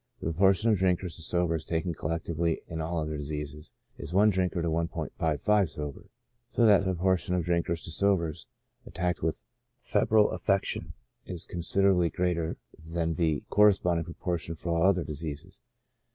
The proportion of drinkers to sobers taken collec tively in all other diseases is i drinker to 1*55 sober, so that the proportion of drinkers to sobers attacked with a febrile affection is considerably greater than the corresponding pro portion for all other diseases.